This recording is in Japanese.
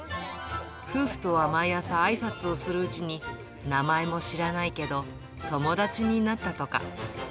夫婦とは毎朝、あいさつをするうちに、名前も知らないけど、友達になったとか。